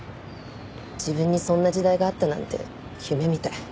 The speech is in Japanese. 自分にそんな時代があったなんて夢みたい。